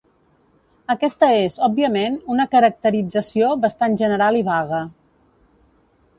Aquesta és, òbviament, una caracterització bastant general i vaga.